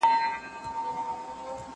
زه به سبا د يادښتونه بشپړ وکړم!؟